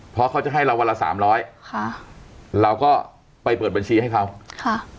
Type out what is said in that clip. เพราะเขาจะให้เราวันละสามร้อยค่ะเราก็ไปเปิดบัญชีให้เขาค่ะ